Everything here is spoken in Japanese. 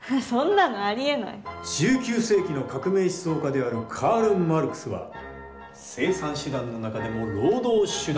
１９世紀の革命思想家であるカール・マルクスは生産手段の中でも労働手段